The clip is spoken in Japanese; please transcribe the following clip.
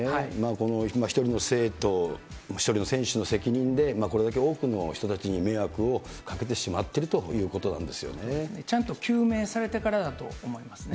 この１人の生徒、１人の選手の責任で、これだけ多くの人たちに迷惑をかけてしまっているということなんちゃんと究明されてからだとですね。